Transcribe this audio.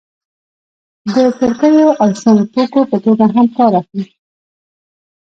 د کړکیو او سونګ توکو په توګه هم کار اخلي.